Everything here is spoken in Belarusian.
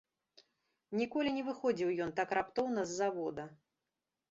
Ніколі не выходзіў ён так раптоўна з завода.